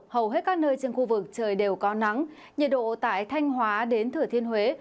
hầu hết các nơi trên khu vực trời đều có nắng nhiệt độ tại thanh hóa đến thửa thiên huế